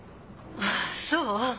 あっそう？